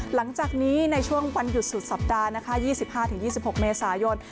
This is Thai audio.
หลังจากนี้ในช่วงวันหยุดสุดสัปดาห์นะคะ๒๕๒๖เมษายน